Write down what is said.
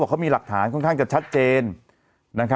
เขามีหลักฐานค่อนข้างจะชัดเจน